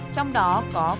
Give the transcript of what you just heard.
trong đó có cô gái này